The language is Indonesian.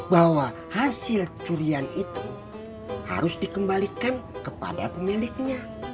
bahwa hasil curian itu harus dikembalikan kepada pemiliknya